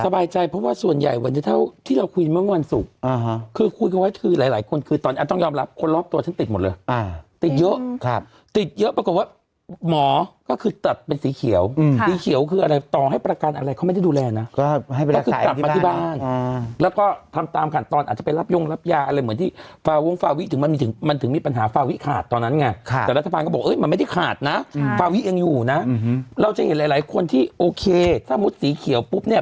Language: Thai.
ใจใจเพราะว่าส่วนใหญ่วันเยอะเท่าที่เราคุยเมื่องวันศุกร์คือคุยกันไว้คือหลายหลายคนคือตอนนี้ต้องยอมรับคนรอบตัวฉันติดหมดเลยติดเยอะติดเยอะประกอบว่าหมอก็คือตัดเป็นสีเขียวสีเขียวคืออะไรต่อให้ประกันอะไรเขาไม่ได้ดูแลนะก็คือกลับมาที่บ้านแล้วก็ทำตามขันตอนอาจจะไปรับโยงรับยาอะไรเหมือนที่